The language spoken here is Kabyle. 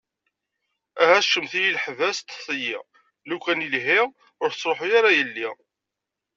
Aha sekcem-iyi lḥebs, ṭfet-iyi, lukan i lhiɣ ur tettruḥu ara yelli.